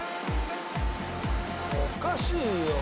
おかしいよ。